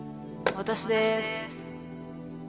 私です。